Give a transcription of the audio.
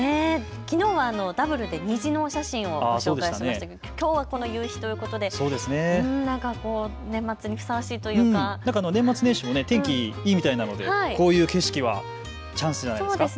きのうはダブルで虹のお写真をご紹介しましてきょうは夕日ということで、年末にふさわしいというか年末年始、天気いいみたいなのでこういう景色はチャンスじゃないですか。